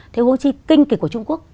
thế hỗ trì kinh kịch của trung quốc